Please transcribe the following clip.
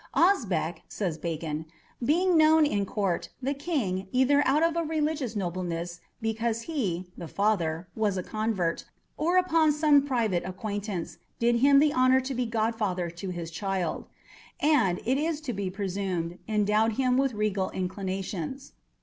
Osbeck, says Bacon, "being known in Court, the King, either out of a religious nobleness, because he" (the father) "was a convert, or upon some private acquaintance, did him the honour to be godfather to his child," and, it is to be presumed, endowed him with regal inclinations.